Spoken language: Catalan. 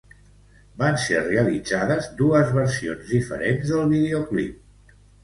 Van ser realitzades dos versions diferents del videoclip.